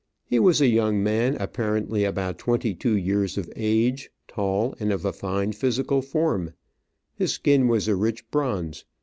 He was a young man, apparently about twenty two years of age, tall, and of a fine physical form; his skin was a rich bronze.